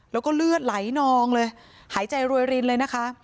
แล้วก็เลือดไหลนองเลยหายใจรวยรินเลยนะคะ